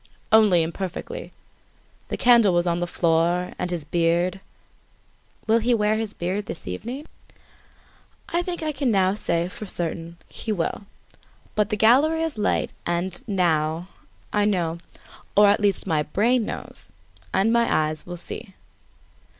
"Only imperfectly. The candle was on the floor; and, his beard " "Will he wear his beard this evening?" "I think I can say for certain that he will. But the gallery is light and, now, I know or at least, my brain knows and my eyes will see."